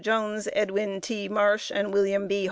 Jones, Edwin T. Marsh, and William B.